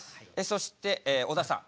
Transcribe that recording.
そしてえ小田さん。